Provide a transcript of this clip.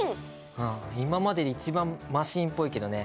今までで一番マシーンっぽいけどね。